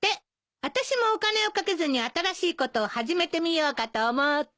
あたしもお金をかけずに新しいことを始めてみようかと思って。